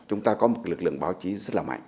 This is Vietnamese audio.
chúng ta có một lực lượng báo chí rất là mạnh